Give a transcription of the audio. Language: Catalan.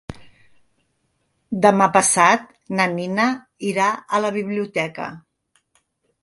Demà passat na Nina irà a la biblioteca.